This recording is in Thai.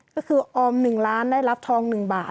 ก็คือออม๑ล้านได้รับทอง๑บาท